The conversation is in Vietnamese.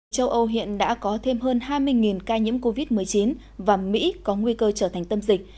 châu âu hiện đã có thêm hơn hai mươi ca nhiễm covid một mươi chín và mỹ có nguy cơ trở thành tâm dịch